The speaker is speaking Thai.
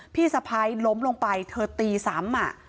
พี่สะพัยล้มลงไปเธอตี๓หมา